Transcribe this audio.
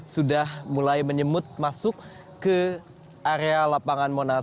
sudah mulai menyemut masuk ke area lapangan monas